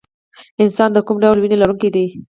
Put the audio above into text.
انسان د کوم ډول وینې لرونکی دی